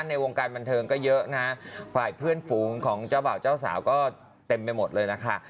ในวงการบันเทิงก็เยอะนะฝ่ายเพื่อนฝูงของเจ้าบ่าวเจ้าสาวก็เต็มไปหมดเลยนะคะ